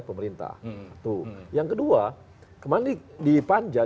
pemerintah tuh yang kedua kemarin di panja